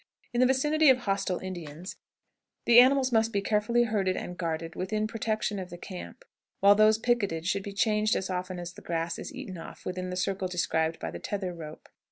In the vicinity of hostile Indians, the animals must be carefully herded and guarded within protection of the camp, while those picketed should be changed as often as the grass is eaten off within the circle described by the tether rope.